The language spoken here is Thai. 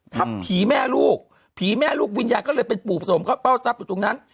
ผีแม่ลูกผีแม่ลูกวิญญาณก็เลยเป็นปู่ผสมเข้าเฝ้าทรัพย์อยู่ตรงนั้น